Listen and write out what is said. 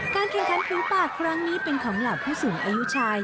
การแข่งขันผิวปากครั้งนี้เป็นของลาวผู้สูงอายุชาย